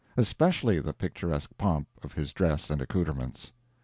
Especially the picturesque pomp of his dress and accoutrements.